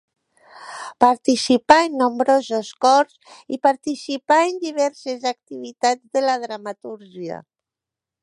Participà en nombrosos cors i participà en diverses activitats de la dramatúrgia.